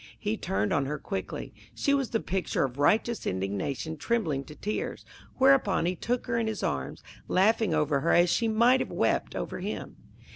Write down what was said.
He turned on her quickly. She was the picture of righteous indignation trembling to tears. Whereupon he took her in his arms, laughing over her as she might have wept over him.